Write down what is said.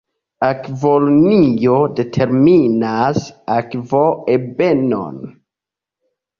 Akvolinio determinas akvoebenon.